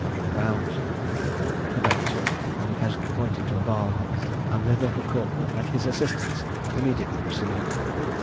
_ The bait took, and the peasant pointed to a barn, and thither the corporal and his assistants immediately proceeded.